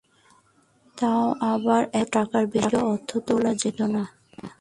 তাও আবার এক শত টাকার বেশি অর্থ তোলা যেত না।